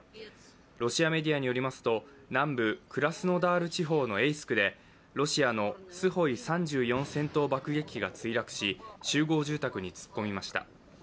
ロシアメディアによりますと、南部クラスノダール地方のエイスクで、ロシアのスホイ３４戦闘爆撃機が墜落し、集合住宅に突っ込みました。